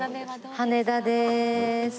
羽田でーす。